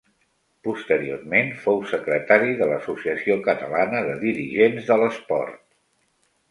Posteriorment fou secretari de l'Associació Catalana de Dirigents de l'Esport.